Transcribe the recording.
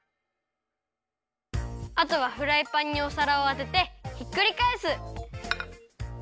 あとはフライパンにおさらをあててひっくりかえす！